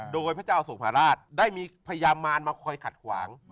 โดยพระเจ้าสุภาราชได้มีพญามารมาคอยขัดขวาง